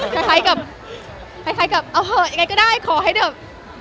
คล้ายกับคล้ายกับเอาเหอะยังไงก็ได้ขอให้แบบ